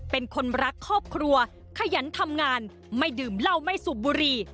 เป็นคนรักครอบครัวขยันทำงานไม่ดื่มเหล้าไม่สูบบุรี